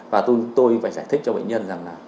và chúng tôi phải giải thích cho bệnh nhân rằng là